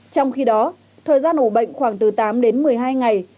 trong khi đó thời gian ủ bệnh khoảng từ tám đến một mươi hai ngày